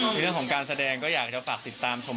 ในเรื่องของการแสดงก็อยากจะฝากติดตามชม